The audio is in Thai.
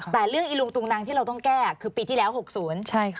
แต่เรื่องอีลุงตุงนังที่เราต้องแก้คือปีที่แล้ว๖๐ใช่ค่ะ